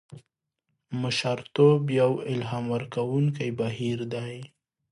مشرتوب یو الهام ورکوونکی بهیر دی.